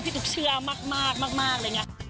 พี่ตุ๊กเชื่อมากเลยแง่